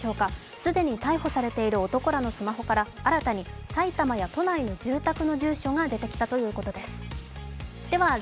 既に逮捕されている男らのスマホから新たに埼玉や都内の住宅の住所が出てきたということです。